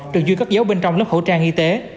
được duy cất dấu bên trong lớp khẩu trang y tế